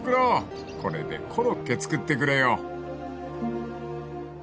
これでコロッケ作ってくれよ］